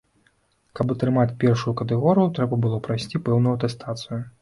Каб атрымаць першую катэгорыю, трэба было прайсці пэўную атэстацыю.